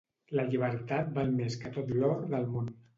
La llibertat val més que tot l'or del món.